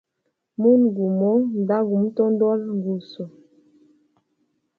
Munwe gumo nda gu mutondola nguso.